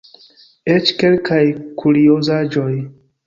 Eĉ kelkaj kuriozaĵoj.